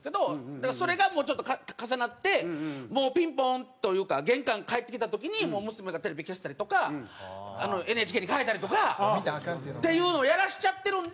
だからそれがちょっと重なってもうピンポンというか玄関帰ってきた時に娘がテレビ消したりとかＮＨＫに変えたりとかっていうのをやらせちゃってるんで。